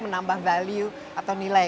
menambah value atau nilai